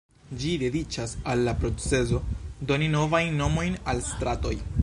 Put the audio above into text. Ĝi dediĉas al la procezo doni novajn nomojn al stratoj.